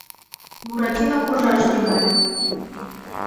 Буратино куржаш тӱҥале.